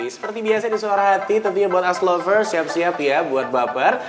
seperti biasa di suara hati tentunya buat us lovers siap siap ya buat baper